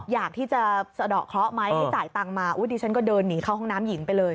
อยากที่จะสะดอกเคราะห์ไหมให้จ่ายตังค์มาดิฉันก็เดินหนีเข้าห้องน้ำหญิงไปเลย